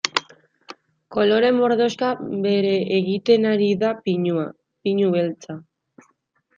Kolore mordoxka bere egiten ari da pinua, pinu beltza.